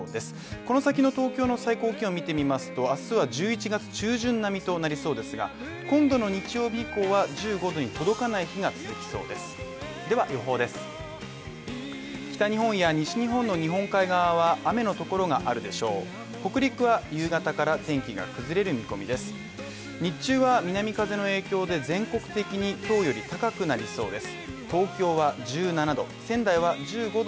この先の東京の最高気温を見てみますと明日は１１月中旬並みとなりそうですが、今度の日曜日以降は１５℃に届かない日が続きそうです